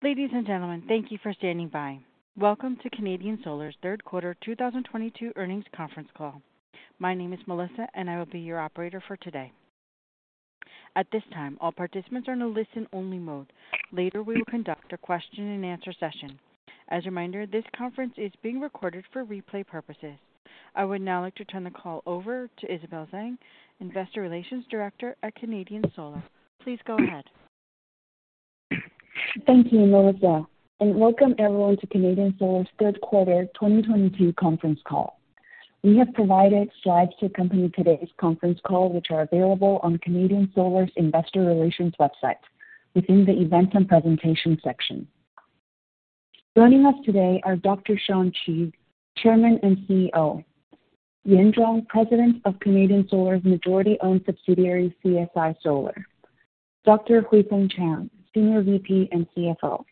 Ladies and gentlemen, thank you for standing by. Welcome to Canadian Solar's third quarter 2022 earnings conference call. My name is Melissa, I will be your operator for today. At this time, all participants are in a listen only mode. Later, we will conduct a question and answer session. As a reminder, this conference is being recorded for replay purposes. I would now like to turn the call over to Isabel Zhang, investor relations director at Canadian Solar. Please go ahead. Thank you, Melissa. Welcome everyone to Canadian Solar's third quarter 2022 conference call. We have provided slides to accompany today's conference call, which are available on Canadian Solar's investor relations website within the events and presentations section. Joining us today are Dr. Shawn Qu, Chairman and CEO. Yan Zhuang, President of Canadian Solar's majority-owned subsidiary, CSI Solar. Dr. Huifeng Chang, Senior VP and CFO,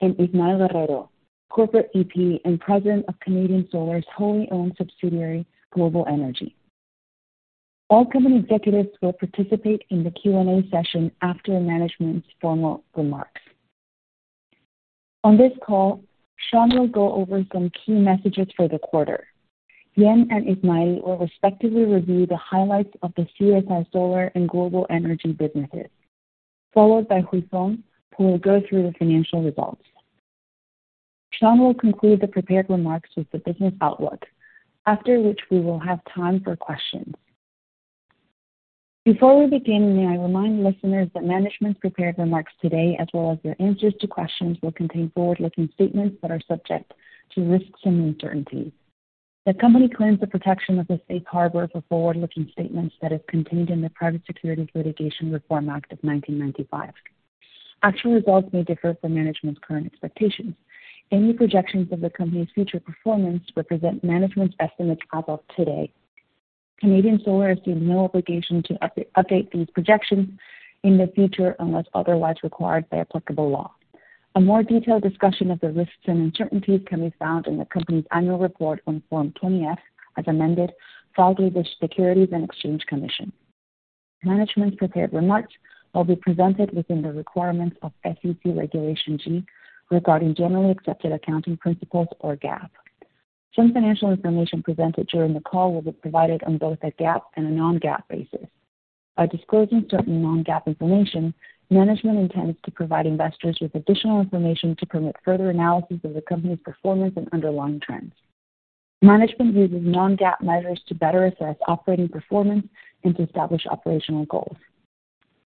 and Ismael Guerrero, Corporate VP and President of Canadian Solar's wholly-owned subsidiary, Global Energy. All company executives will participate in the Q&A session after management's formal remarks. On this call, Shawn will go over some key messages for the quarter. Yan and Ismael will respectively review the highlights of the CSI Solar and Global Energy businesses, followed by Huifeng, who will go through the financial results. Shawn will conclude the prepared remarks with the business outlook, after which we will have time for questions. Before we begin, may I remind listeners that management's prepared remarks today, as well as their answers to questions, will contain forward-looking statements that are subject to risks and uncertainties. The company claims the protection of the safe harbor for forward-looking statements that is contained in the Private Securities Litigation Reform Act of 1995. Actual results may differ from management's current expectations. Any projections of the company's future performance represent management's estimates as of today. Canadian Solar assumes no obligation to update these projections in the future unless otherwise required by applicable law. A more detailed discussion of the risks and uncertainties can be found in the company's annual report on Form 20-F, as amended, filed with the Securities and Exchange Commission. Management's prepared remarks will be presented within the requirements of SEC Regulation G regarding generally accepted accounting principles or GAAP. Some financial information presented during the call will be provided on both a GAAP and a non-GAAP basis. By disclosing certain non-GAAP information, management intends to provide investors with additional information to permit further analysis of the company's performance and underlying trends. Management uses non-GAAP measures to better assess operating performance and to establish operational goals.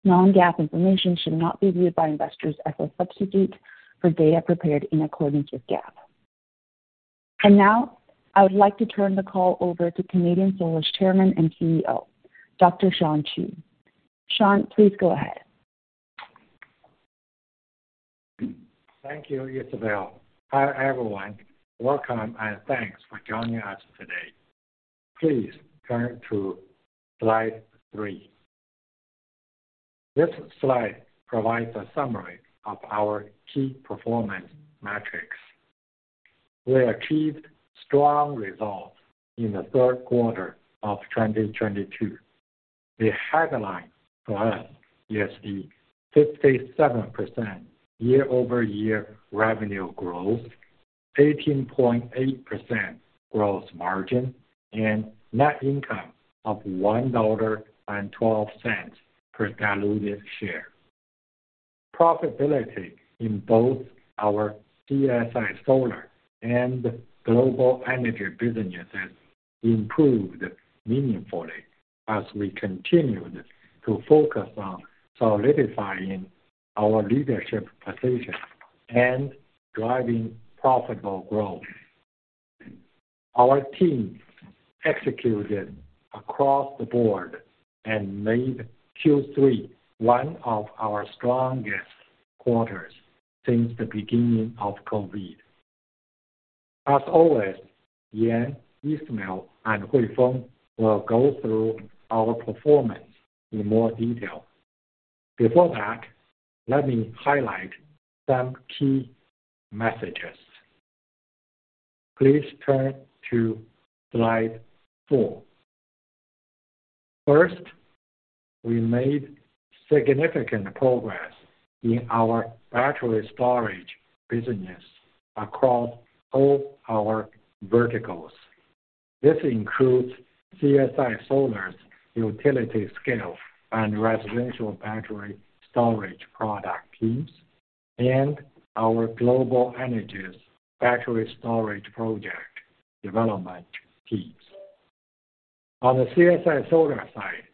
Non-GAAP information should not be viewed by investors as a substitute for data prepared in accordance with GAAP. Now, I would like to turn the call over to Canadian Solar's Chairman and CEO, Dr. Shawn Qu. Shawn, please go ahead. Thank you, Isabel. Hi, everyone. Welcome, and thanks for joining us today. Please turn to slide three. This slide provides a summary of our key performance metrics. We achieved strong results in the third quarter of 2022. The headline for us is the 57% year-over-year revenue growth, 18.8% gross margin, and net income of $1.12 per diluted share. Profitability in both our CSI Solar and Global Energy businesses improved meaningfully as we continued to focus on solidifying our leadership position and driving profitable growth. Our teams executed across the board and made Q3 one of our strongest quarters since the beginning of COVID. As always, Yan, Ismael, and Huifeng will go through our performance in more detail. Before that, let me highlight some key messages. Please turn to slide four. First, we made significant progress in our battery storage business across all our verticals. This includes CSI Solar's utility scale and residential battery storage product teams and our Global Energy's battery storage project development teams. On the CSI Solar side,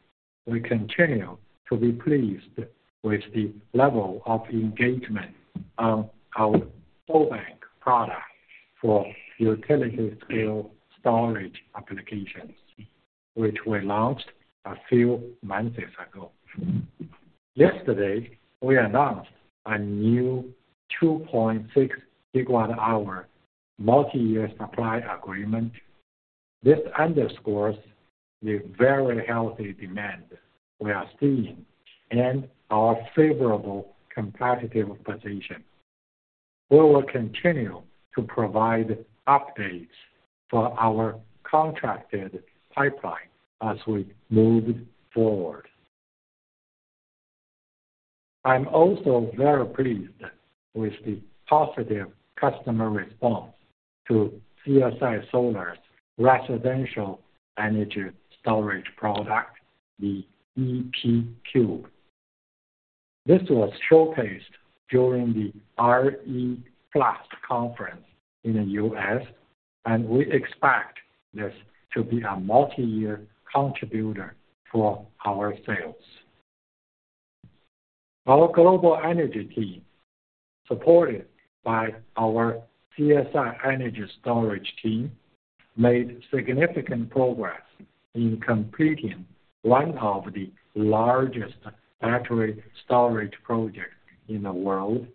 we continue to be pleased with the level of engagement on our SolBank product for utility scale storage applications, which we launched a few months ago. Yesterday, we announced a new 2.6 GWh multi-year supply agreement. This underscores the very healthy demand we are seeing and our favorable competitive position. We will continue to provide updates for our contracted pipeline as we move forward. I'm also very pleased with the positive customer response to CSI Solar's residential energy storage product, the EP Cube. This was showcased during the RE+ conference in the U.S., and we expect this to be a multi-year contributor to our sales. Our Global Energy team, supported by our CSI energy storage team, made significant progress in completing one of the largest battery storage projects in the world,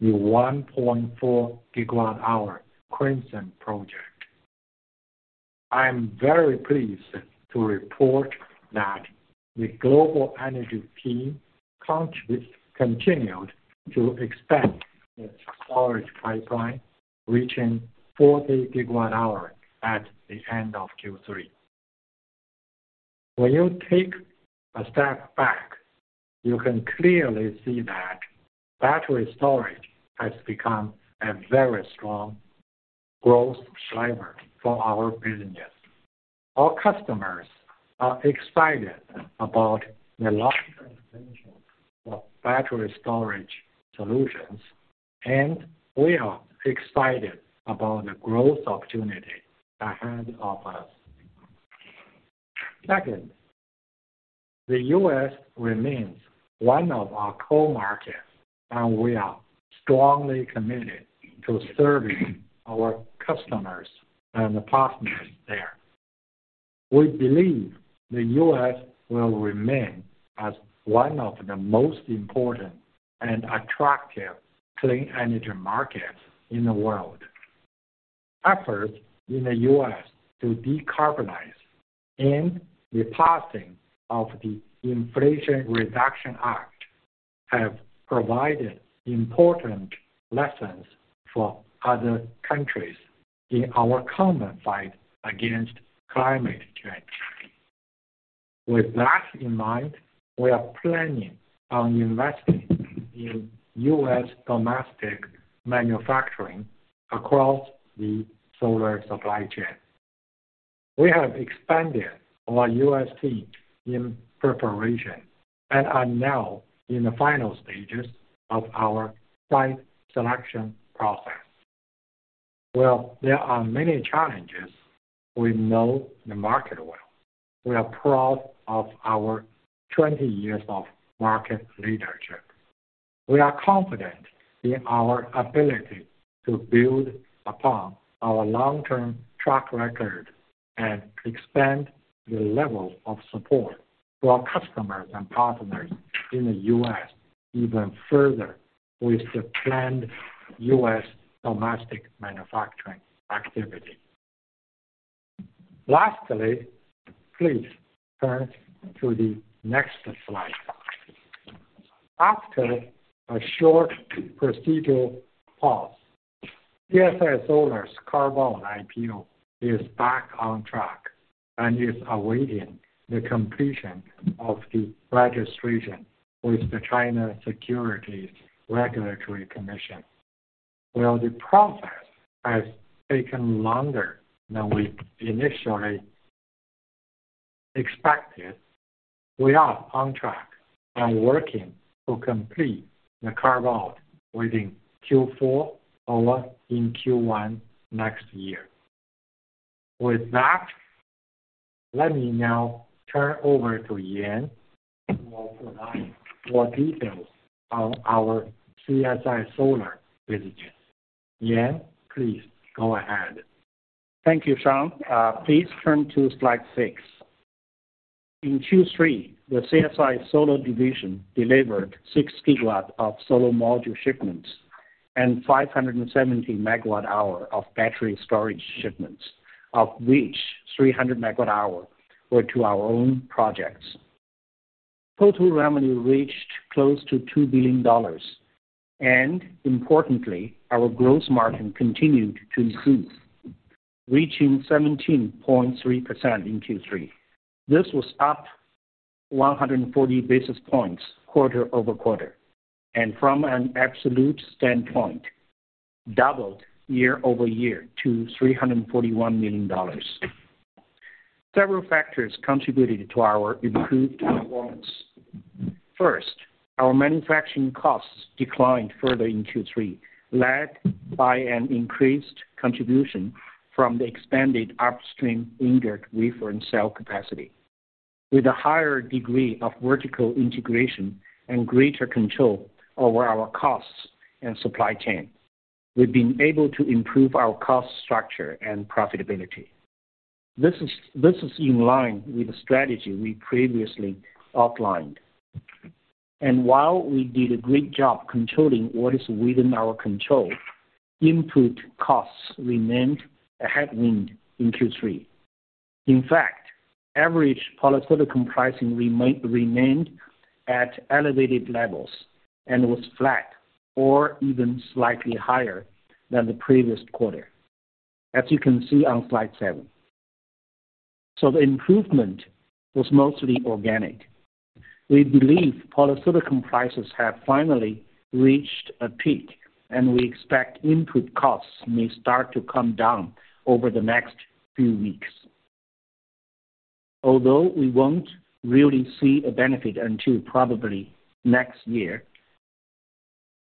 the 1.4 GWh Queensland project. I am very pleased to report that the Global Energy team continued to expand the storage pipeline, reaching 40 GWh at the end of Q3. When you take a step back, you can clearly see that battery storage has become a very strong growth driver for our business. Our customers are excited about the long-term potential of battery storage solutions. We are excited about the growth opportunity ahead of us. Second, the U.S. remains one of our core markets. We are strongly committed to serving our customers and partners there. We believe the U.S. will remain as one of the most important and attractive clean energy markets in the world. Efforts in the U.S. to decarbonize and the passing of the Inflation Reduction Act have provided important lessons for other countries in our common fight against climate change. With that in mind, we are planning on investing in U.S. domestic manufacturing across the solar supply chain. We have expanded our U.S. team in preparation and are now in the final stages of our site selection process. Well, there are many challenges. We know the market well. We are proud of our 20 years of market leadership. We are confident in our ability to build upon our long-term track record and expand the level of support to our customers and partners in the U.S. even further with the planned U.S. domestic manufacturing activity. Lastly, please turn to the next slide. After a short procedural pause, CSI Solar's carve-out IPO is back on track and is awaiting the completion of the registration with the China Securities Regulatory Commission. The process has taken longer than we initially expected, we are on track and working to complete the carve-out within Q4 or in Q1 next year. Let me now turn over to Yan, who will provide more details on our CSI Solar business. Yan, please go ahead. Thank you, Shawn. Please turn to slide six. In Q3, the CSI Solar division delivered 6 GW of solar module shipments and 570 MWh of battery storage shipments, of which 300 MWh were to our own projects. Total revenue reached close to $2 billion. Importantly, our gross margin continued to improve, reaching 17.3% in Q3. This was up 140 basis points quarter-over-quarter. From an absolute standpoint, doubled year-over-year to $341 million. Several factors contributed to our improved performance. Our manufacturing costs declined further in Q3, led by an increased contribution from the expanded upstream ingot, wafer, and cell capacity. With a higher degree of vertical integration and greater control over our costs and supply chain, we've been able to improve our cost structure and profitability. This is in line with the strategy we previously outlined. While we did a great job controlling what is within our control, input costs remained a headwind in Q3. In fact, average polysilicon pricing remained at elevated levels and was flat or even slightly higher than the previous quarter, as you can see on slide seven. The improvement was mostly organic. We believe polysilicon prices have finally reached a peak, and we expect input costs may start to come down over the next few weeks. Although we won't really see a benefit until probably next year,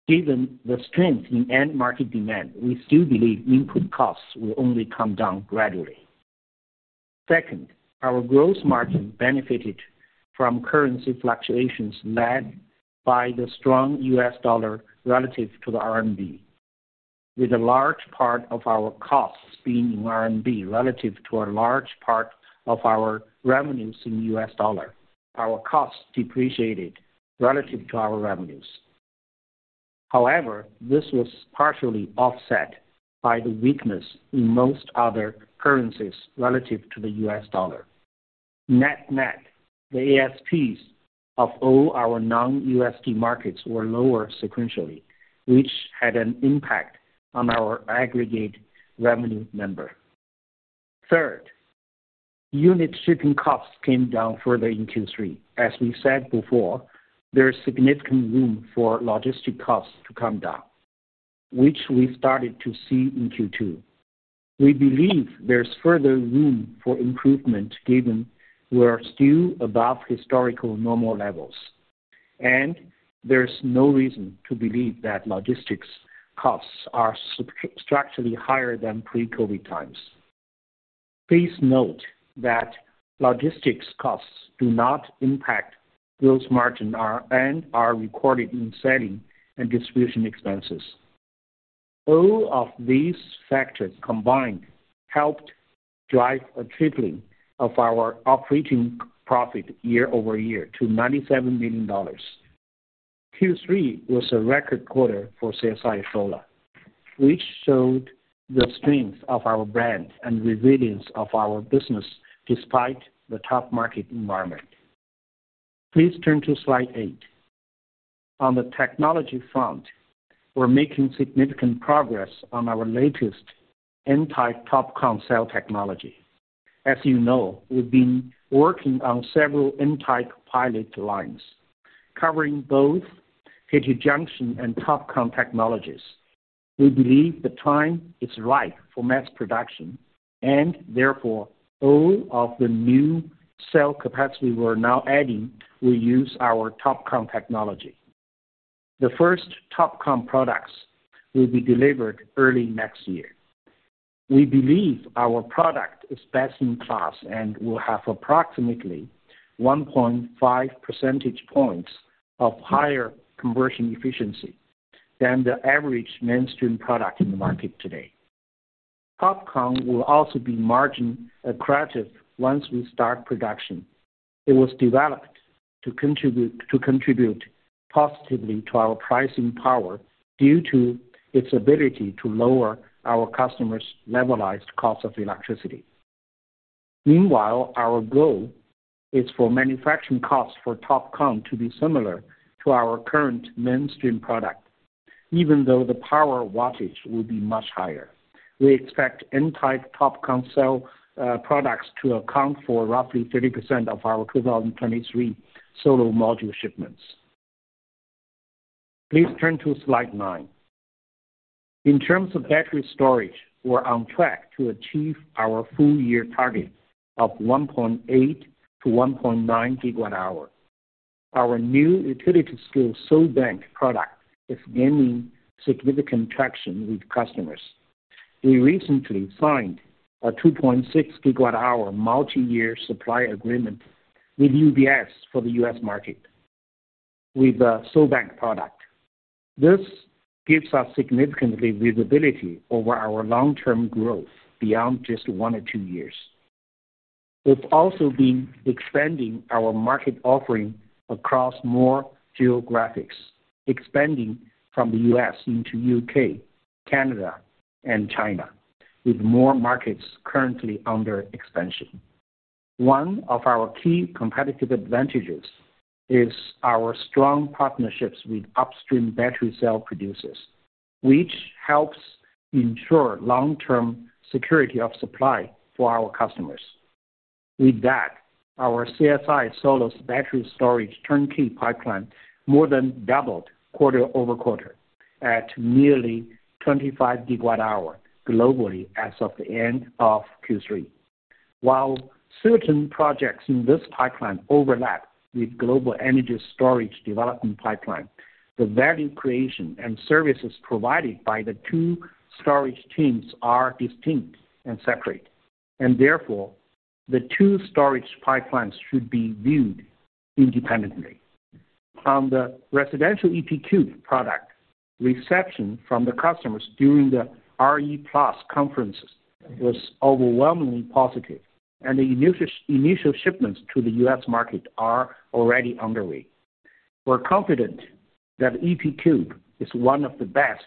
given the strength in end market demand, we still believe input costs will only come down gradually. Second, our gross margin benefited from currency fluctuations led by the strong U.S. dollar relative to the RMB. With a large part of our costs being in RMB relative to a large part of our revenues in U.S. dollar, our costs depreciated relative to our revenues. However, this was partially offset by the weakness in most other currencies relative to the U.S. dollar. Net, net, the ASPs of all our non-USD markets were lower sequentially, which had an impact on our aggregate revenue number. Third, unit shipping costs came down further in Q3. As we said before, there's significant room for logistic costs to come down, which we started to see in Q2. We believe there's further room for improvement given we are still above historical normal levels, and there's no reason to believe that logistics costs are sub-structurally higher than pre-COVID times. Please note that logistics costs do not impact gross margin are, and are recorded in selling and distribution expenses. All of these factors combined helped drive a tripling of our operating profit year over year to $97 million. Q3 was a record quarter for CSI Solar, which showed the strength of our brand and resilience of our business despite the tough market environment. Please turn to slide eight. On the technology front, we're making significant progress on our latest N-type TOPCon cell technology. As you know, we've been working on several N-type pilot lines covering both heterojunction and TOPCon technologies. We believe the time is right for mass production, and therefore, all of the new cell capacity we're now adding will use our TOPCon technology. The first TOPCon products will be delivered early next year. We believe our product is best in class and will have approximately 1.5 percentage points of higher conversion efficiency than the average mainstream product in the market today. TOPCon will also be margin accretive once we start production. It was developed to contribute positively to our pricing power due to its ability to lower our customers' levelized cost of electricity. Meanwhile, our goal is for manufacturing costs for TOPCon to be similar to our current mainstream product even though the power wattage will be much higher. We expect N-type TOPCon cell products to account for roughly 30% of our 2023 solar module shipments. Please turn to slide nine. In terms of battery storage, we're on track to achieve our full year targets of 1.8 GWh-1.9 GWh. Our new utility-scale SolBank product is gaining significant traction with customers. We recently signed a 2.6 GWh multi-year supply agreement with UBS for the U.S. market with the SolBank product. This gives us significantly visibility over our long-term growth beyond just one or two years. We've also been expanding our market offering across more geographics, expanding from the U.S. into U.K., Canada, and China, with more markets currently under expansion. One of our key competitive advantages is our strong partnerships with upstream battery cell producers, which helps ensure long-term security of supply for our customers. With that, our CSI Solar battery storage turnkey pipeline more than doubled quarter-over-quarter at nearly 25 GWh globally as of the end of Q3. While certain projects in this pipeline overlap with global energy storage development pipeline, the value creation and services provided by the two storage teams are distinct and separate. Therefore, the two storage pipelines should be viewed independently. On the residential EP Cube product, reception from the customers during the RE+ conferences was overwhelmingly positive. The initial shipments to the U.S. market are already underway. We're confident that EP Cube is one of the best,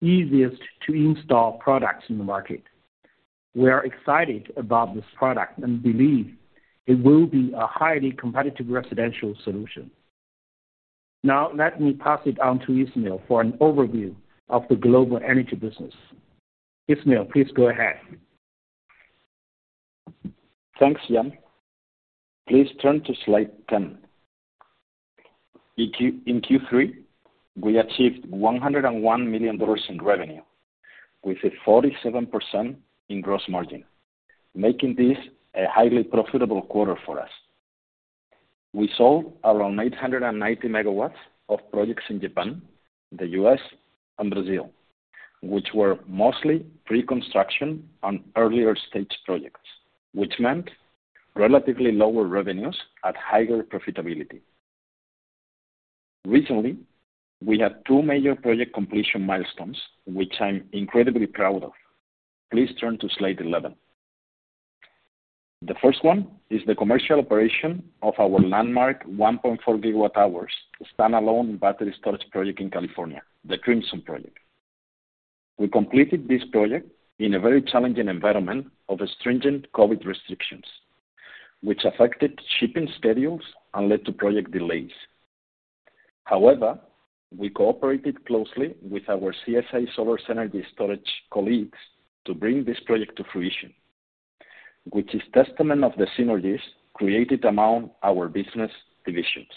easiest to install products in the market. We are excited about this product and believe it will be a highly competitive residential solution. Let me pass it on to Ismael for an overview of the Global Energy business. Ismael, please go ahead. Thanks, Yan. Please turn to slide 10. In Q3, we achieved $101 million in revenue with a 47% in gross margin, making this a highly profitable quarter for us. We sold around 890 MW of projects in Japan, the U.S., and Brazil, which were mostly pre-construction on earlier stage projects, which meant relatively lower revenues at higher profitability. Recently, we had two major project completion milestones, which I'm incredibly proud of. Please turn to slide 11. The first one is the commercial operation of our landmark 1.4 GWh standalone battery storage project in California, the Crimson project. We completed this project in a very challenging environment of stringent COVID restrictions, which affected shipping schedules and led to project delays. We cooperated closely with our CSI Solar energy storage colleagues to bring this project to fruition, which is testament of the synergies created among our business divisions.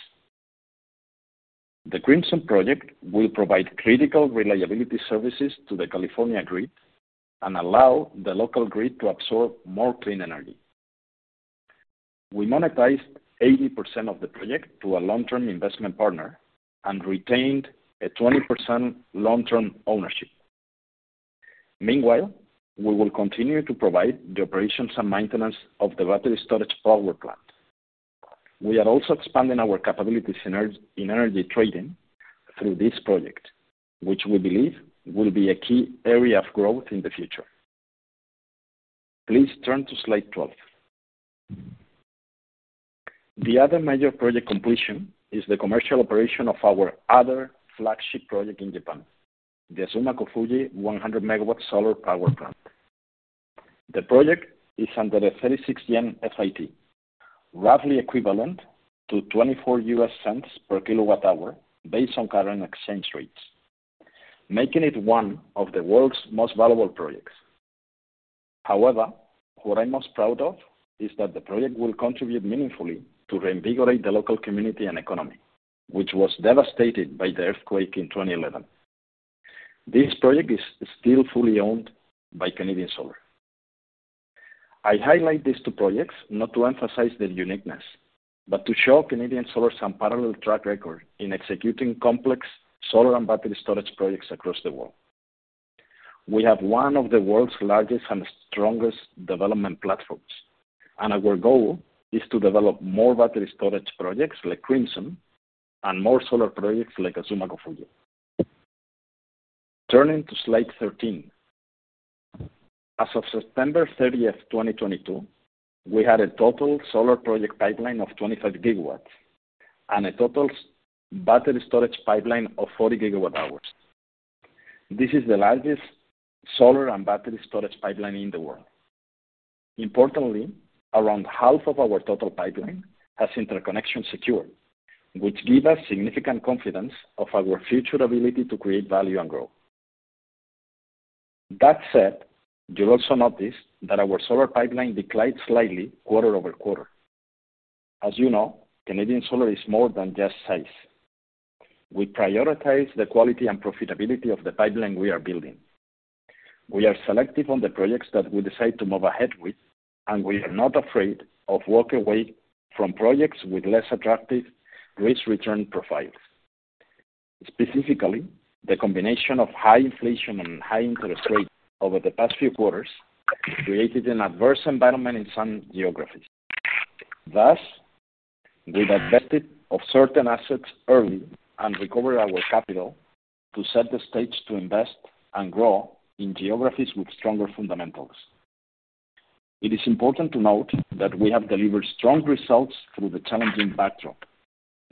The Crimson project will provide critical reliability services to the California grid and allow the local grid to absorb more clean energy. We monetized 80% of the project to a long-term investment partner and retained a 20% long-term ownership. We will continue to provide the operations and maintenance of the battery storage power plant. We are also expanding our capabilities in energy trading through this project, which we believe will be a key area of growth in the future. Please turn to slide 12. The other major project completion is the commercial operation of our other flagship project in Japan, the Azumakofuji 100 MW solar power plant. The project is under the 36 yen FIT, roughly equivalent to $0.24 per kilowatt hour based on current exchange rates, making it one of the world's most valuable projects. What I'm most proud of is that the project will contribute meaningfully to reinvigorate the local community and economy, which was devastated by the earthquake in 2011. This project is still fully owned by Canadian Solar. I highlight these two projects not to emphasize their uniqueness, but to show Canadian Solar's unparalleled track record in executing complex solar and battery storage projects across the world. We have one of the world's largest and strongest development platforms, and our goal is to develop more battery storage projects like Crimson and more solar projects like Azumakofuji. Turning to slide 13. As of September 30th, 2022, we had a total solar project pipeline of 25 GW and a total battery storage pipeline of 40 GWh. This is the largest solar and battery storage pipeline in the world. Importantly, around half of our total pipeline has interconnection secured, which give us significant confidence of our future ability to create value and growth. That said, you'll also notice that our solar pipeline declined slightly quarter-over-quarter. As you know, Canadian Solar is more than just size. We prioritize the quality and profitability of the pipeline we are building. We are selective on the projects that we decide to move ahead with, and we are not afraid of walk away from projects with less attractive risk-return profiles. Specifically, the combination of high inflation and high interest rates over the past few quarters created an adverse environment in some geographies. Thus, we've divested of certain assets early and recovered our capital to set the stage to invest and grow in geographies with stronger fundamentals. It is important to note that we have delivered strong results through the challenging backdrop,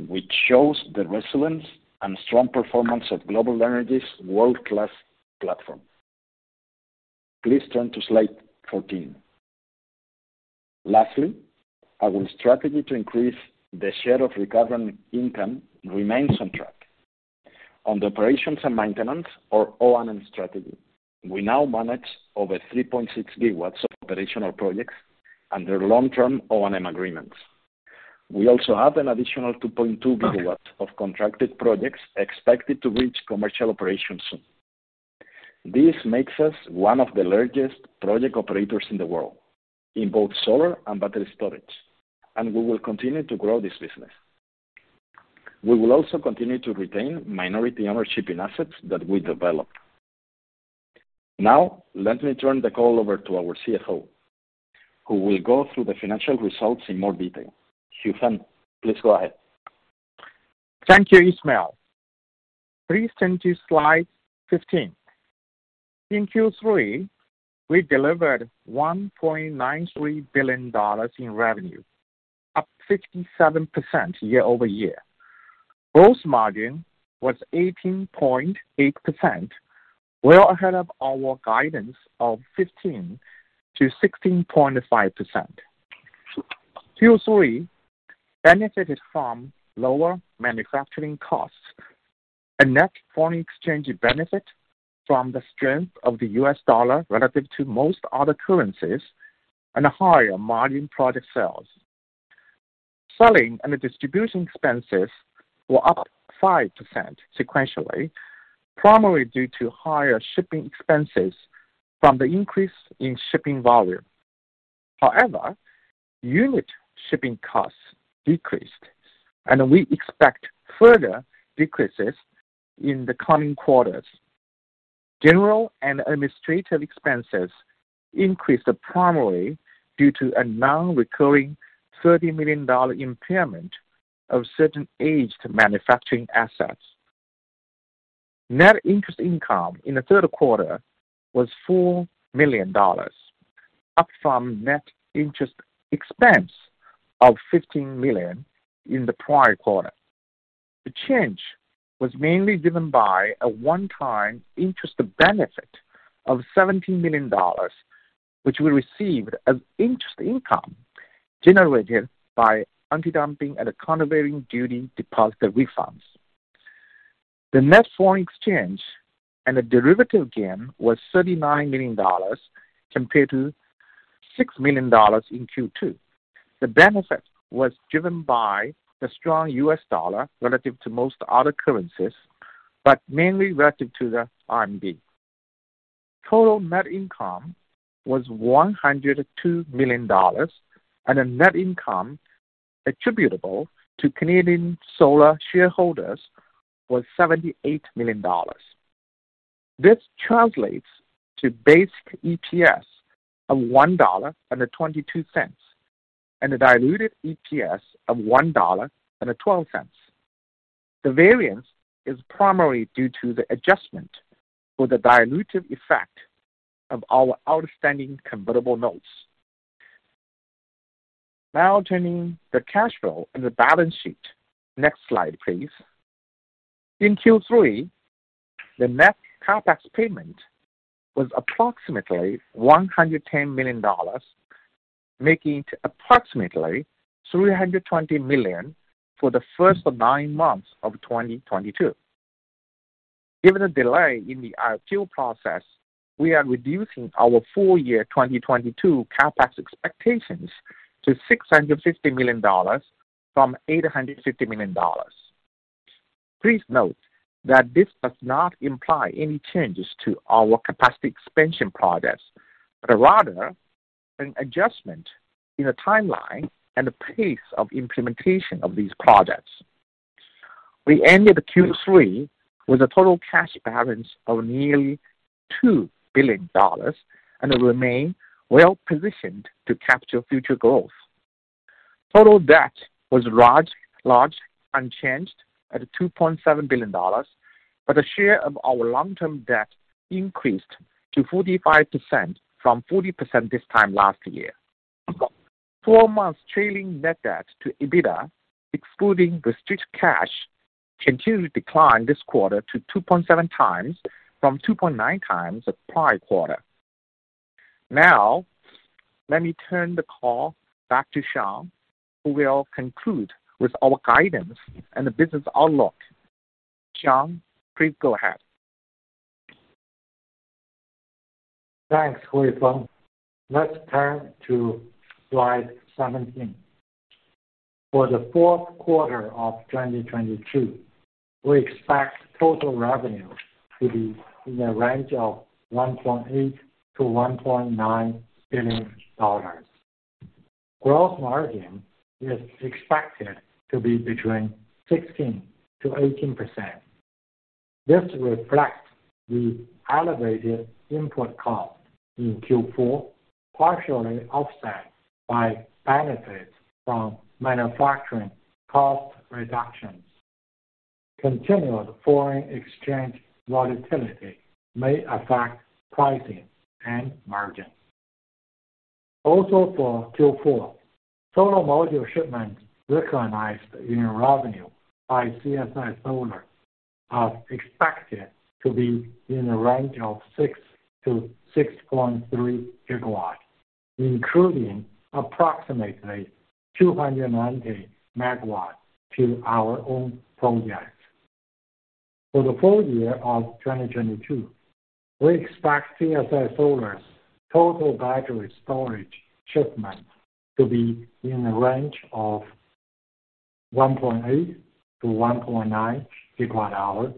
which shows the resilience and strong performance of Global Energy's world-class platform. Please turn to slide 14. Lastly, our strategy to increase the share of recurring income remains on track. On the operations and maintenance or O&M strategy, we now manage over 3.6 GW of operational projects under long-term O&M agreements. We also have an additional 2.2 GW of contracted projects expected to reach commercial operations soon. This makes us one of the largest project operators in the world in both solar and battery storage. We will continue to grow this business. We will also continue to retain minority ownership in assets that we develop. Now, let me turn the call over to our CFO, who will go through the financial results in more detail. Huifeng Chang, please go ahead. Thank you, Ismael. Please turn to slide 15. In Q3, we delivered $1.93 billion in revenue, up 57% year-over-year. Gross margin was 18.8%, well ahead of our guidance of 15%-16.5%. Q3 benefited from lower manufacturing costs. A net foreign exchange benefit from the strength of the U.S. dollar relative to most other currencies and a higher margin product sales. Selling and distribution expenses were up 5% sequentially, primarily due to higher shipping expenses from the increase in shipping volume. Unit shipping costs decreased, and we expect further decreases in the coming quarters. General and administrative expenses increased primarily due to a non-recurring $30 million impairment of certain aged manufacturing assets. Net interest income in the third quarter was $4 million, up from net interest expense of $15 million in the prior quarter. The change was mainly driven by a one-time interest benefit of $70 million, which we received as interest income generated by antidumping and countervailing duty deposit refunds. The net foreign exchange and the derivative gain was $39 million compared to $6 million in Q2. The benefit was driven by the strong U.S. dollar relative to most other currencies, mainly relative to the RMB. Total net income was $102 million, a net income attributable to Canadian Solar shareholders was $78 million. This translates to basic EPS of $1.22, a diluted EPS of $1.12. The variance is primarily due to the adjustment for the dilutive effect of our outstanding convertible notes. Turning the cash flow and the balance sheet. Next slide, please. In Q3, the net CapEx payment was approximately $110 million, making it approximately $320 million for the first nine months of 2022. Given the delay in the RFQ process, we are reducing our full year 2022 CapEx expectations to $660 million from $850 million. Please note that this does not imply any changes to our capacity expansion projects, but rather an adjustment in the timeline and the pace of implementation of these projects. We ended Q3 with a total cash balance of nearly $2 billion and remain well-positioned to capture future growth. Total debt was large, unchanged at $2.7 billion, but the share of our long-term debt increased to 45% from 40% this time last year. Four months trailing net debt to EBITDA, excluding restricted cash, continued to decline this quarter to 2.7x from 2.9x the prior quarter. Let me turn the call back to Shawn, who will conclude with our guidance and the business outlook. Shawn, please go ahead. Thanks, Huifeng. Let's turn to slide 17. For the fourth quarter of 2022, we expect total revenue to be in the range of $1.8 billion-$1.9 billion. Gross margin is expected to be between 16%-18%. This reflects the elevated input cost in Q4, partially offset by benefits from manufacturing cost reductions. Continued foreign exchange volatility may affect pricing and margin. For Q4, solar module shipments recognized in revenue by CSI Solar are expected to be in the range of 6 GW-6.3 GW, including approximately 290 MW to our own projects. For the full year of 2022, we expect CSI Solar's total battery storage shipments to be in the range of 1.8 GWh-1.9 GWh,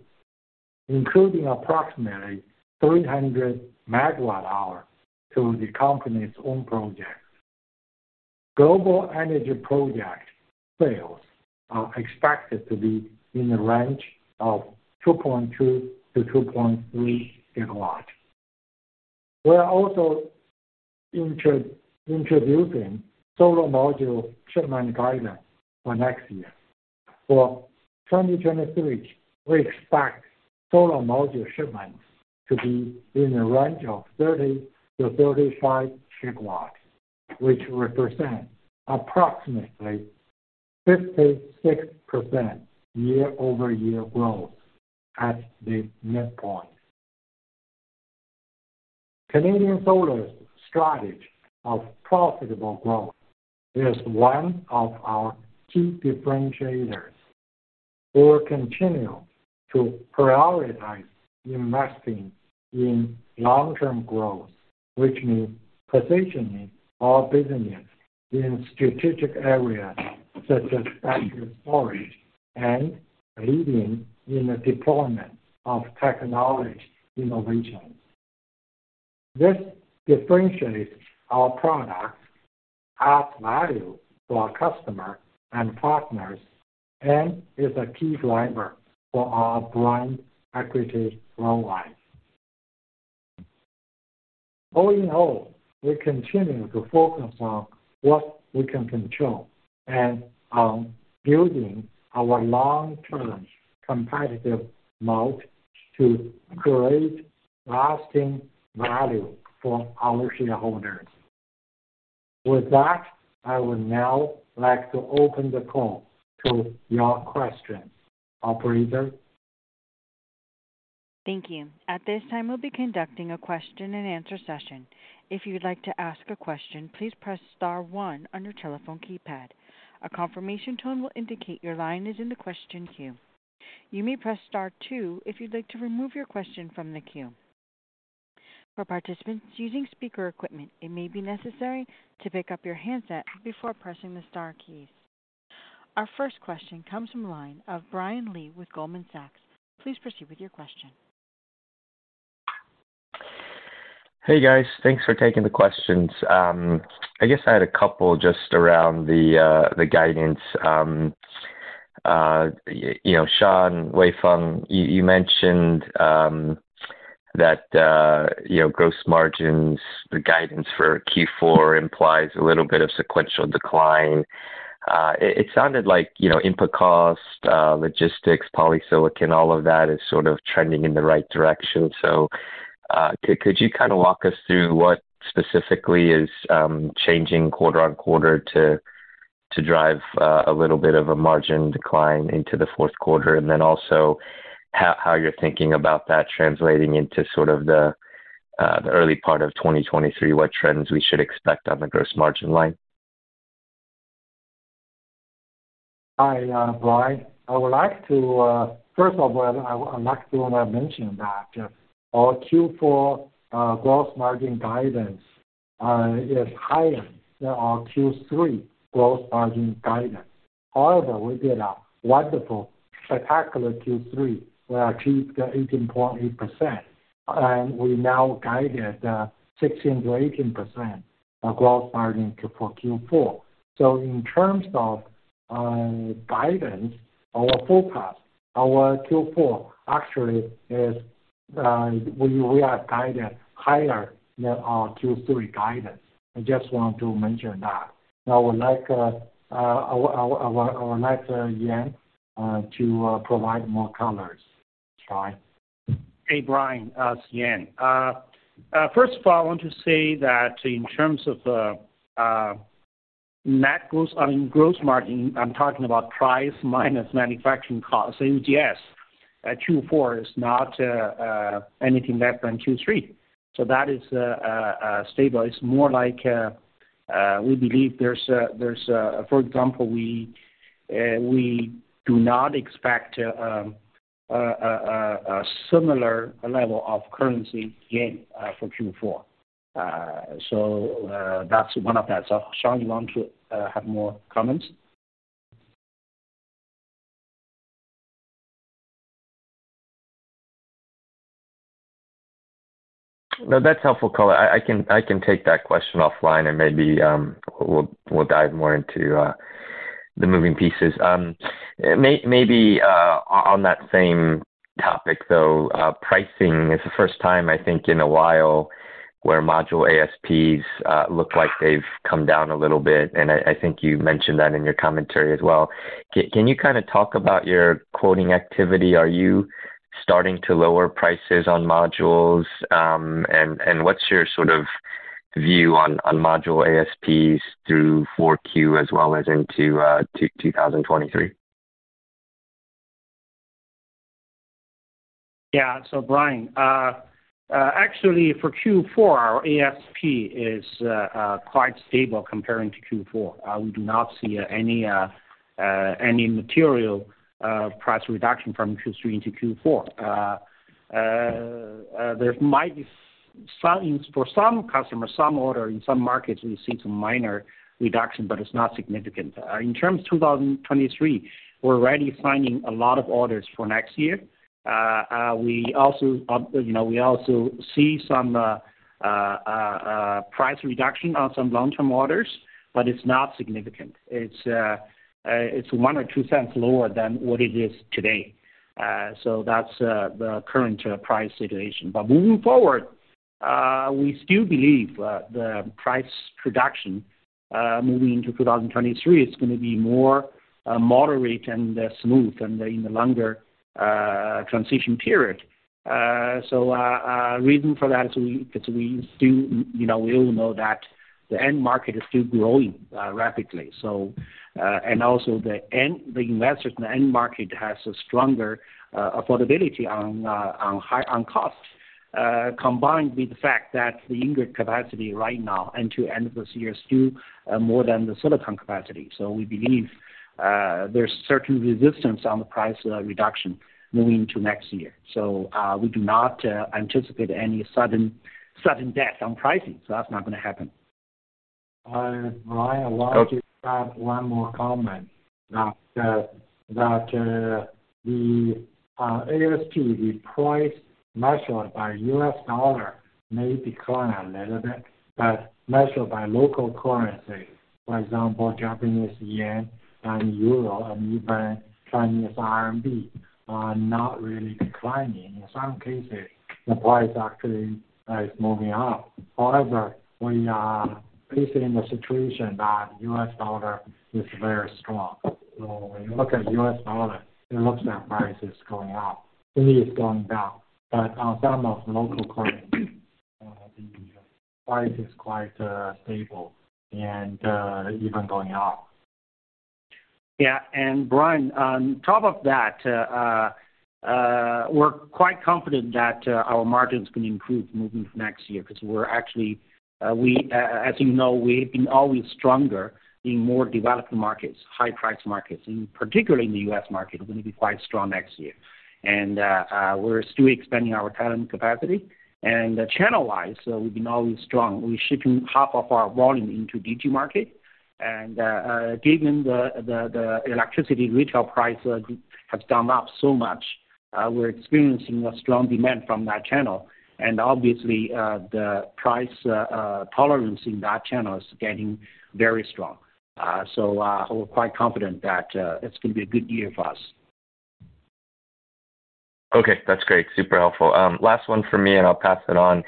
including approximately 300 MWh to the company's own projects. Global Energy project sales are expected to be in the range of 2.2 GW-2.3 GW. We are also introducing solar module shipment guidance for next year. For 2023, we expect solar module shipments to be in the range of 30 GW-35 GW, which represent approximately 56% year-over-year growth at the midpoint. Canadian Solar's strategy of profitable growth is one of our key differentiators. We'll continue to prioritize investing in long-term growth, which means positioning our business in strategic areas such as battery storage and leading in the deployment of technology innovations. This differentiates our products, adds value to our customers and partners, and is a key driver for our brand equity worldwide. All in all, we continue to focus on what we can control and on building our long-term competitive moat to create lasting value for our shareholders. With that, I would now like to open the call to your questions. Operator? Thank you. At this time, we'll be conducting a question-and-answer session. If you'd like to ask a question, please press star one on your telephone keypad. A confirmation tone will indicate your line is in the question queue. You may press star two if you'd like to remove your question from the queue. For participants using speaker equipment, it may be necessary to pick up your handset before pressing the star keys. Our first question comes from the line of Brian Lee with Goldman Sachs. Please proceed with your question. Hey, guys. Thanks for taking the questions. I guess I had a couple just around the guidance. You know, Shawn, Huifeng, you mentioned that, you know, gross margins, the guidance for Q4 implies a little bit of sequential decline. It sounded like, you know, input costs, logistics, polysilicon, all of that is sort of trending in the right direction. Could you kind of walk us through what specifically is changing quarter-on-quarter to drive a little bit of a margin decline into the fourth quarter? Then also how you're thinking about that translating into sort of the early part of 2023, what trends we should expect on the gross margin line? Hi, Brian. I would like to first of all, I would like to mention that our Q4 gross margin guidance is higher than our Q3 gross margin guidance. We did a wonderful spectacular Q3. We achieved 18.8%, and we now guided 16%-18% of gross margin for Q4. In terms of guidance or forecast, our Q4 actually is we are guided higher than our Q3 guidance. I just want to mention that. I would like Yan to provide more comments, Brian. Hey, Brian. It's Yan. First of all, I want to say that in terms of net gross, I mean, gross margin, I'm talking about price minus manufacturing costs, EPS. Q4 is not anything less than Q3. That is stable. It's more like we believe there's a. For example, we do not expect a similar level of currency gain for Q4. That's one of that. Shawn, you want to have more comments? No, that's helpful color. I can take that question offline, and maybe we'll dive more into the moving pieces. Maybe on that same topic, though, pricing is the first time I think in a while where module ASPs look like they've come down a little bit, and I think you mentioned that in your commentary as well. Can you kind of talk about your quoting activity? Are you starting to lower prices on modules? What's your sort of view on module ASPs through 4Q as well as into 2023? Yeah. Brian, actually for Q4, our ASP is quite stable comparing to Q4. We do not see any material price reduction from Q3 into Q4. There might be some, for some customers, some order in some markets, we see some minor reduction, but it's not significant. In terms of 2023, we're already signing a lot of orders for next year. We also, you know, we also see some price reduction on some long-term orders, but it's not significant. It's $0.01 or $0.02 lower than what it is today. That's the current price situation. Moving forward, we still believe the price reduction moving into 2023 is gonna be more moderate and smooth and in a longer transition period. Reason for that is we still, you know, we all know that the end market is still growing rapidly. And also the end, the investors in the end market has a stronger affordability on costs combined with the fact that the ingot capacity right now into end of this year is due more than the silicon capacity. We believe there's certain resistance on the price reduction moving to next year. We do not anticipate any sudden death on pricing. That's not gonna happen. Brian, I want to add one more comment that ASP, the price measured by U.S. dollar may decline a little bit. Measured by local currency, for example, Japanese yen and euro, and even Chinese RMB, are not really declining. In some cases, the price actually is moving up. We are facing the situation that U.S. dollar is very strong. When you look at U.S. dollar, it looks like price is going up. To me, it's going down. On some of local currency, the price is quite stable and even going up. Yeah. Brian, on top of that, we're quite confident that our margins can improve moving next year because we're actually, as you know, we've been always stronger in more developed markets, high price markets. Particularly in the U.S. market, we're gonna be quite strong next year. We're still expanding our talent capacity. Channel-wise, we've been always strong. We're shipping half of our volume into DG market. Given the electricity retail price has gone up so much, we're experiencing a strong demand from that channel. Obviously, the price tolerance in that channel is getting very strong. So, we're quite confident that it's gonna be a good year for us. Okay, that's great. Super helpful. Last one for me, and I'll pass it on.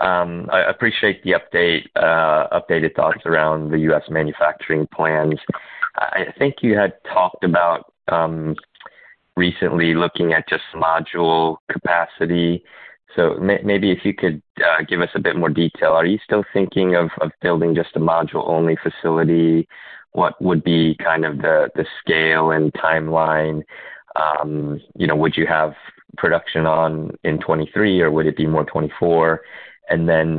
I appreciate the updated thoughts around the U.S. manufacturing plans. I think you had talked about recently looking at just module capacity. Maybe if you could give us a bit more detail. Are you still thinking of building just a module-only facility? What would be kind of the scale and timeline? You know, would you have production on in 2023, or would it be more 2024? Then,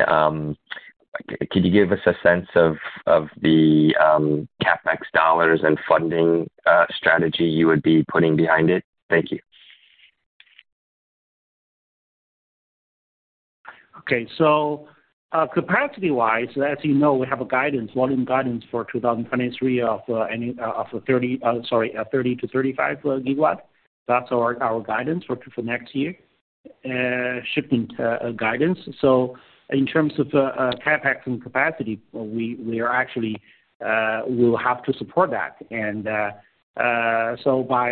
could you give us a sense of the CapEx dollars and funding strategy you would be putting behind it? Thank you. Okay. capacity-wise, as you know, we have a guidance, volume guidance for 2023 of 30 GW-35 GW. That's our guidance for next year, shipping guidance. In terms of CapEx and capacity, we are actually we will have to support that. by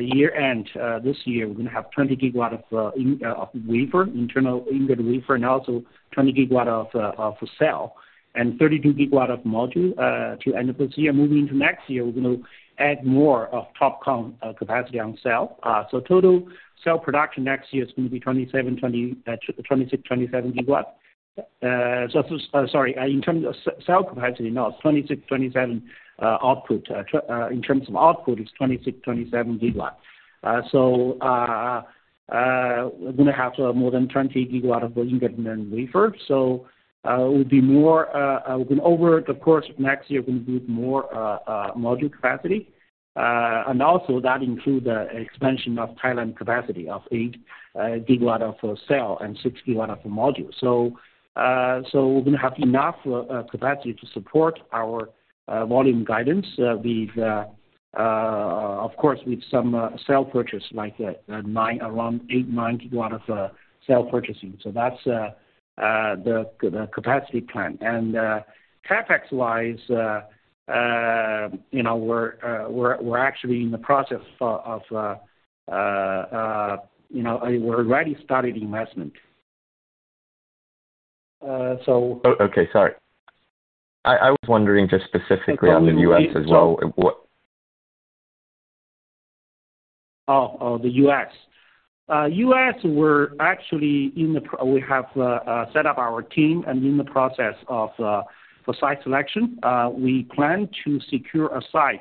year-end this year, we're gonna have 20 GW of wafer, internal ingot wafer, and also 20 GW of cell, and 32 GW of module to end of this year. Moving into next year, we're gonna add more of TOPCon capacity on cell. total cell production next year is gonna be 27, 26 GW-27 GW. in terms of cell capacity, no, it's 26-27 output. In terms of output, it's 26 GW, 27 GW. We're gonna have to more than 20 GW of ingot and wafer. It would be more, over the course of next year, we're gonna build more, module capacity. Also that include, expansion of Thailand capacity of 8 GW of cell and 6 GW of module. We're gonna have enough, capacity to support our, volume guidance. With, of course, with some, cell purchase like, around 8 GW, 9 GW of, cell purchasing. That's, the capacity plan. CapEx wise, you know, we're actually in the process of, you know, we already started investment. Okay, sorry. I was wondering just specifically on the U.S. as well. The U.S., we're actually in the process of for site selection. We plan to secure a site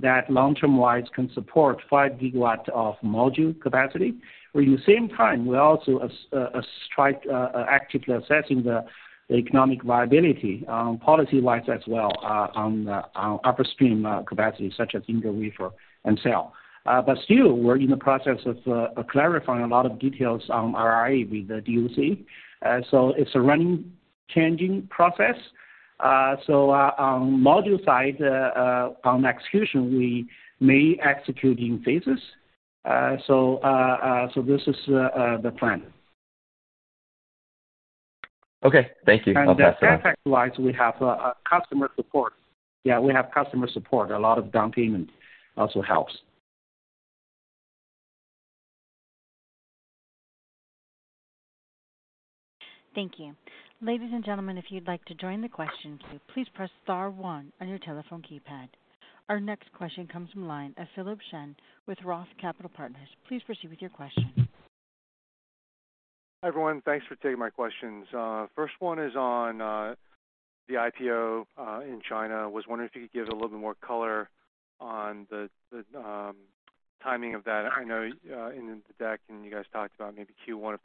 that long-term wise can support 5 GW of module capacity. At the same time, we're also actively assessing the economic viability, policy wise as well, on upstream capacity such as ingot, wafer, and cell. Still, we're in the process of clarifying a lot of details on our IRA with the DOC. It's a running, changing process. On module site, on execution, we may execute in phases. This is the plan. Okay, thank you. I'll pass- CapEx wise, we have customer support. Yeah, we have customer support. A lot of down payment also helps. Thank you. Ladies and gentlemen, if you'd like to join the question queue, please press star one on your telephone keypad. Our next question comes from line of Philip Shen with Roth Capital Partners. Please proceed with your question. Hi, everyone. Thanks for taking my questions. First one is on the IPO in China. Was wondering if you could give a little bit more color on the timing of that. I know in the deck and you guys talked about maybe Q1 of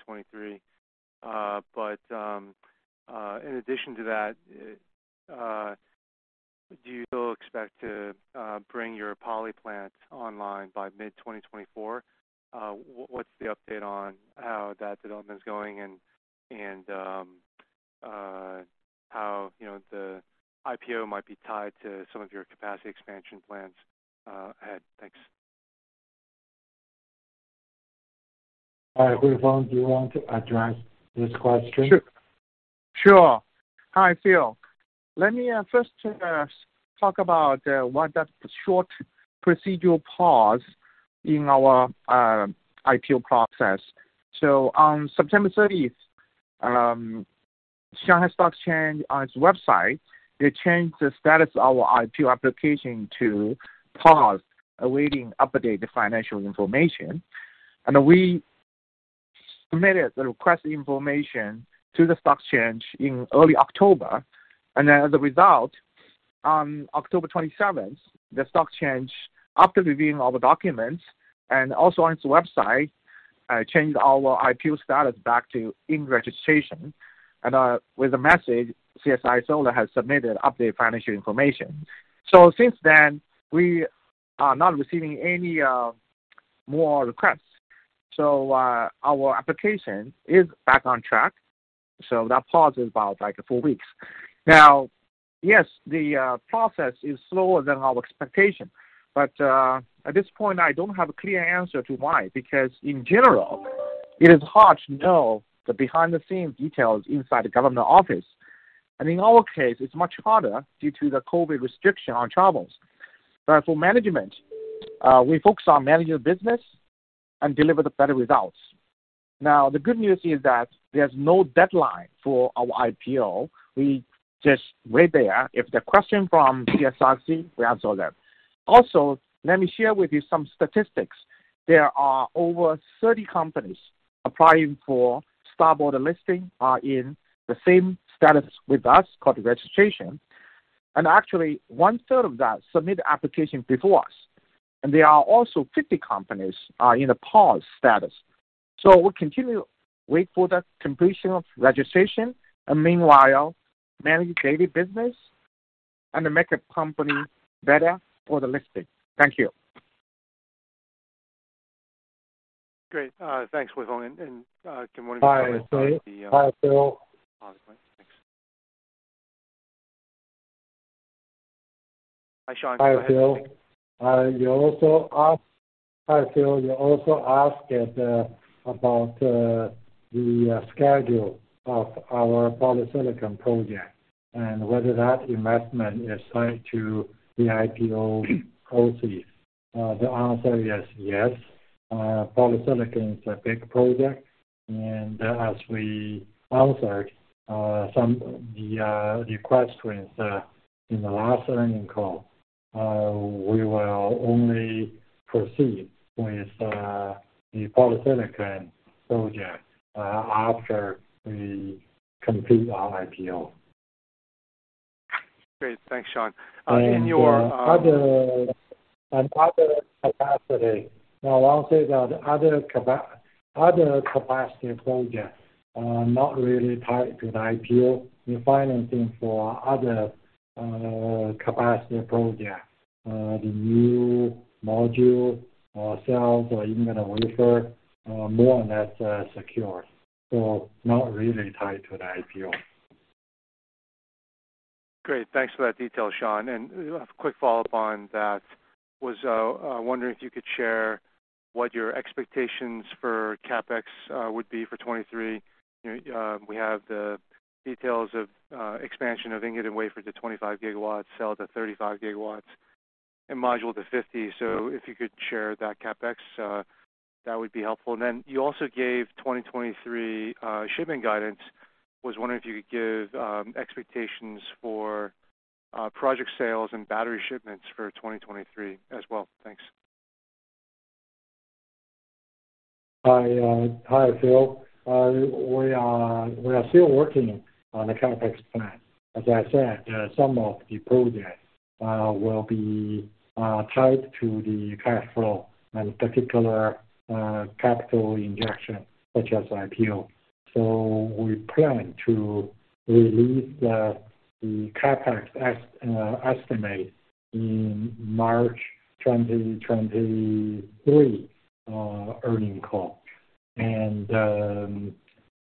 2023. In addition to that, do you still expect to bring your poly plants online by mid-2024? What's the update on how that development is going and how, you know, the IPO might be tied to some of your capacity expansion plans ahead? Thanks. Hi, Huifeng, do you want to address this question? Sure. Sure. Hi, Phil. Let me first talk about what that short procedural pause in our IPO process. On September 30th, Shanghai Stock Exchange, on its website, it changed the status of our IPO application to paused, awaiting updated financial information. We submitted the requested information to the stock exchange in early October. As a result, on October 27th, the stock exchange, after reviewing all the documents and also on its website, changed our IPO status back to in registration and with a message, "CSI Solar has submitted updated financial information." Since then, we are not receiving any more requests. Our application is back on track, so that pause is about like four weeks. Yes, the process is slower than our expectation, but at this point, I don't have a clear answer to why, because in general, it is hard to know the behind-the-scene details inside the government office. In our case, it's much harder due to the COVID restriction on travels. For management, we focus on managing business and deliver the better results. The good news is that there's no deadline for our IPO. We just wait there. If the question from CSRC, we answer them. Let me share with you some statistics. There are over 30 companies applying for STAR Market listing in the same status with us called registration. Actually, 1/3 of that submitted application before us. There are also 50 companies in a paused status. We continue wait for the completion of registration. Meanwhile, manage daily business and to make a company better for the listing. Thank you. Great. Thanks, Huifeng. Good morning. Hi, Phil. Thanks. Hi, Shawn Qu. Hi, Phil. You also asked about the schedule of our polysilicon project and whether that investment is tied to the IPO proceeds. The answer is yes. Polysilicon is a big project. As we answered some the questions in the last earnings call, we will only proceed with the polysilicon project after we complete our IPO. Great. Thanks, Shawn. The other capacity. I'll say that other capacity project, not really tied to the IPO. We're financing for other capacity project, the new module, cells or ingot and wafer, more or less secured. Not really tied to the IPO. Great. Thanks for that detail, Sean. Quick follow-up on that was wondering if you could share what your expectations for CapEx would be for 2023. You know, we have the details of expansion of ingot and wafer to 25 GW, cells at 35 GW, and module to 50. If you could share that CapEx, that would be helpful. You also gave 2023 shipping guidance. Was wondering if you could give expectations for project sales and battery shipments for 2023 as well. Thanks. Hi, hi, Phil. We are still working on the CapEx plan. As I said, some of the projects will be tied to the cash flow and particular capital injection such as IPO. We plan to release the CapEx estimate in March 2023 earning call.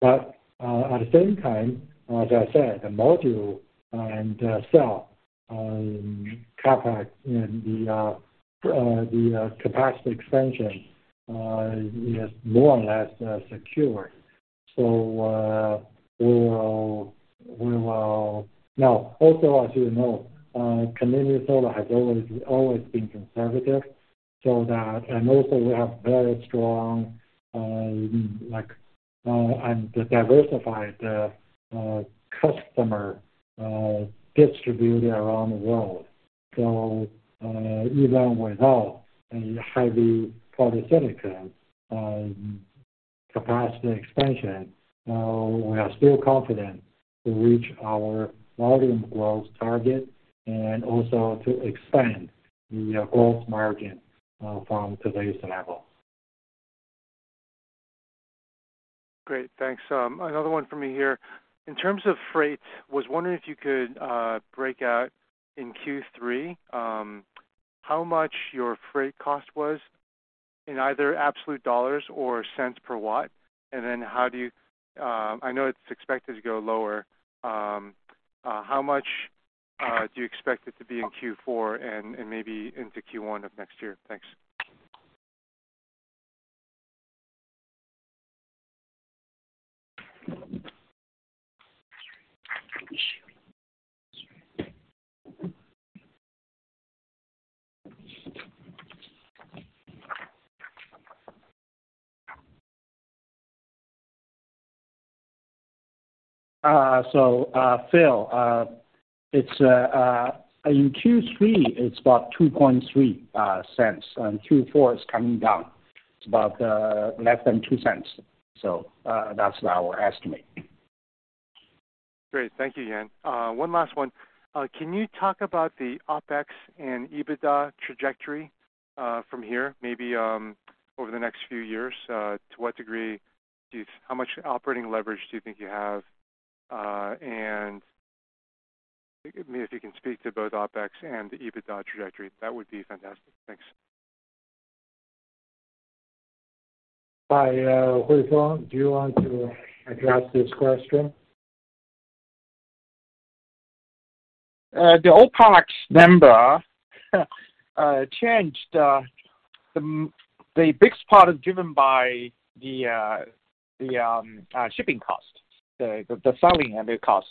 At the same time, as I said, the module and cell CapEx and the capacity expansion is more or less secured. As you know, Canadian Solar has always been conservative. We have very strong, like and diversified customer distributed around the world. Even without a heavy polysilicon capacity expansion, we are still confident to reach our volume growth target and also to expand the gross margin from today's level. Great. Thanks. Another one for me here. In terms of freight, was wondering if you could break out in Q3, how much your freight cost was in either absolute dollars or cents per watt? I know it's expected to go lower. How much do you expect it to be in Q4 and maybe into Q1 of next year? Thanks. Phil, it's in Q3, it's about $0.023, and Q4 is coming down to about less than $0.02. That's our estimate. Great. Thank you, Yan. One last one. Can you talk about the OpEx and EBITDA trajectory from here, maybe, over the next few years? How much operating leverage do you think you have? If you can speak to both OpEx and EBITDA trajectory, that would be fantastic. Thanks. Hi, Huifeng, do you want to address this question? The OpEx number changed, the biggest part is driven by the shipping cost, the selling and the cost.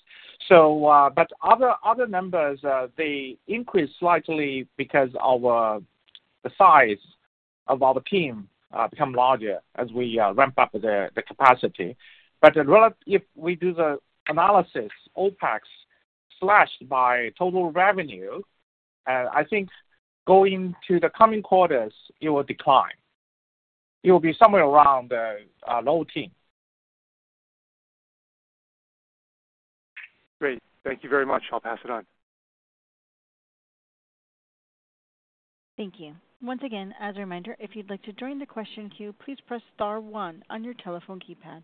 But other numbers, they increased slightly because the size of our team become larger as we ramp up the capacity. If we do the analysis, OpEx slashed by total revenue, I think going to the coming quarters, it will decline. It will be somewhere around a low teens. Great. Thank you very much. I'll pass it on. Thank you. Once again, as a reminder, if you'd like to join the question queue, please press star one on your telephone keypad.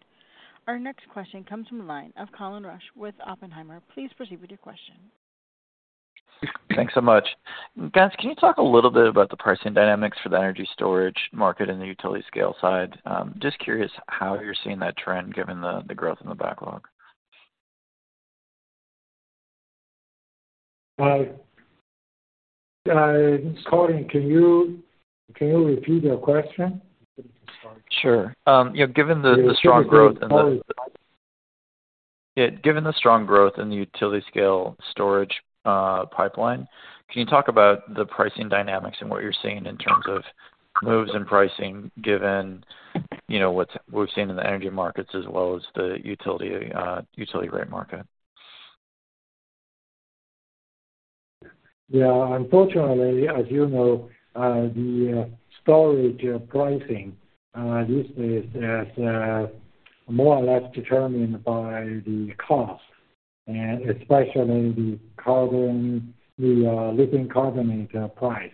Our next question comes from the line of Colin Rusch with Oppenheimer. Please proceed with your question. Thanks so much. Guys, can you talk a little bit about the pricing dynamics for the energy storage market in the utility scale side? Just curious how you're seeing that trend given the growth in the backlog. Colin, can you repeat your question? Sure. you know, given the strong growth in the utility scale storage pipeline, can you talk about the pricing dynamics and what you're seeing in terms of moves in pricing given, you know, we've seen in the energy markets as well as the utility rate market? Yeah. Unfortunately, as you know, the storage pricing, this is more or less determined by the cost, and especially the lithium carbonate price.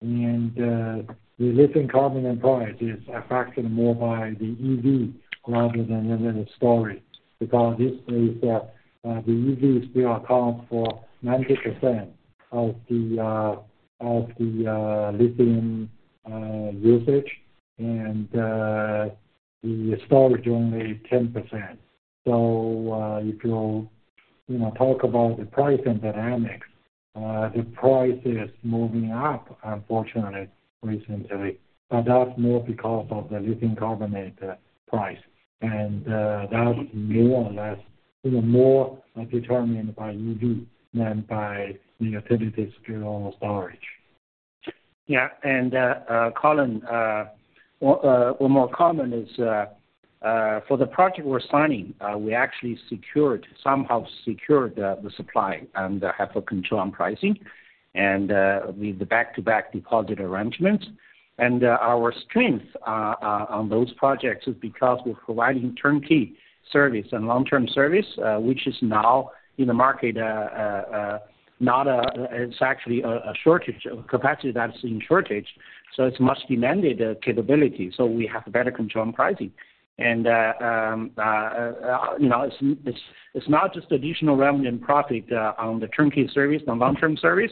The lithium carbonate price is affected more by the EV rather than the storage, because this is the EV still account for 90% of the lithium usage, and the storage only 10%. If you know, talk about the pricing dynamics, the price is moving up unfortunately recently, but that's more because of the lithium carbonate price. That's more or less even more determined by EV than by the activities through storage. Yeah. Colin, what more common is for the project we're signing, we actually secured, somehow secured the supply and have a control on pricing, and with the back-to-back deposit arrangements. Our strength on those projects is because we're providing turnkey service and long-term service, which is now in the market. It's actually a shortage of capacity that's in shortage, so it's much demanded capability, so we have better control on pricing. You know, it's not just additional revenue and profit on the turnkey service and long-term service,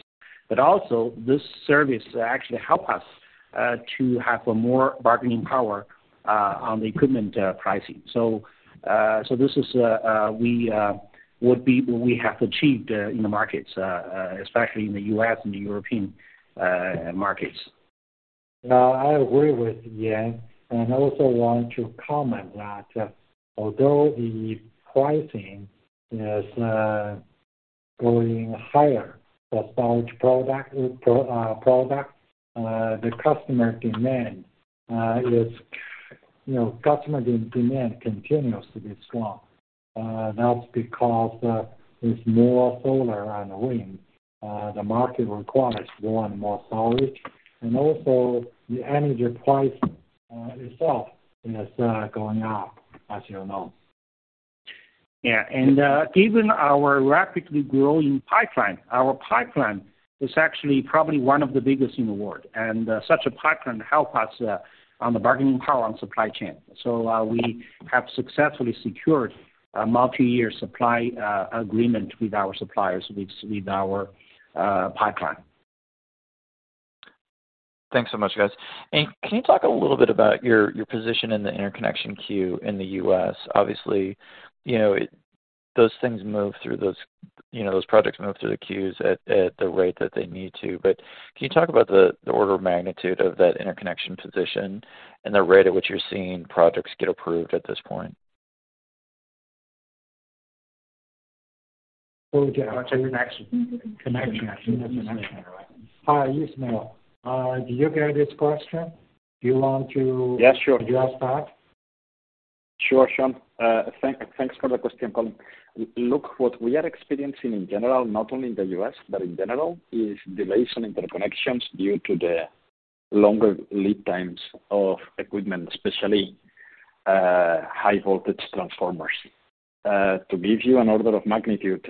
but also this service actually help us to have a more bargaining power on the equipment pricing. This is, we would be what we have achieved, in the markets, especially in the U.S. and the European markets. I agree with Yan, I also want to comment that although the pricing is going higher for storage product. You know, customer demand continues to be strong. That's because there's more solar and wind. The market requires more and more storage. Also, the energy price itself is going up, as you know. Yeah. Given our rapidly growing pipeline, our pipeline is actually probably one of the biggest in the world, such a pipeline help us on the bargaining power on supply chain. We have successfully secured a multi-year supply agreement with our suppliers, with our pipeline. Thanks so much, guys. Can you talk a little bit about your position in the interconnection queue in the U.S.? Obviously, you know, those things move through those, you know, those projects move through the queues at the rate that they need to. Can you talk about the order of magnitude of that interconnection position and the rate at which you're seeing projects get approved at this point? Oh, yeah. Next. Connection. Yes, no. Do you get this question? Yeah, sure. address that? Sure, Shawn. Thanks for the question, Colin. Look, what we are experiencing in general, not only in the U.S., but in general, is delays on interconnections due to the longer lead times of equipment, especially, high-voltage transformers. To give you an order of magnitude,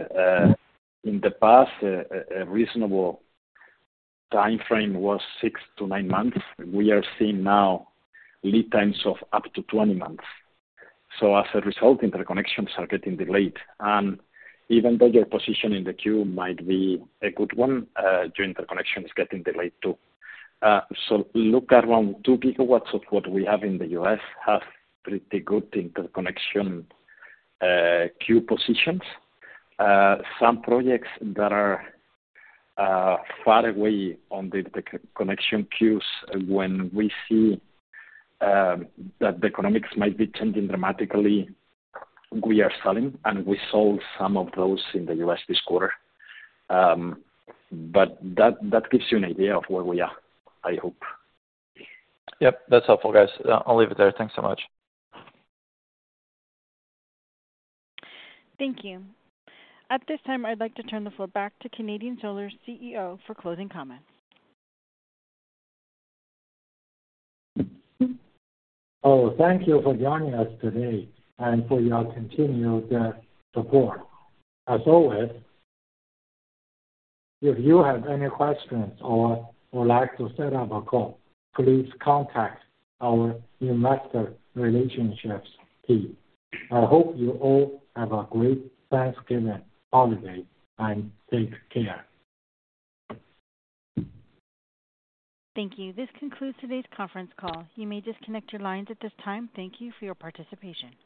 in the past, a reasonable timeframe was six to nine months. We are seeing now lead times of up to 20 months. As a result, interconnections are getting delayed. Even though your position in the queue might be a good one, your interconnection is getting delayed, too. Look around 2 GW of what we have in the U.S. have pretty good interconnection queue positions. Some projects that are far away on the connection queues, when we see that the economics might be changing dramatically, we are selling, and we sold some of those in the U.S. this quarter. That gives you an idea of where we are, I hope. Yep, that's helpful, guys. I'll leave it there. Thanks so much. Thank you. At this time, I'd like to turn the floor back to Canadian Solar's CEO for closing comments. Thank you for joining us today and for your continued support. As always, if you have any questions or would like to set up a call, please contact our investor relationships team. I hope you all have a great Thanksgiving holiday, and take care. Thank you. This concludes today's conference call. You may disconnect your lines at this time. Thank you for your participation.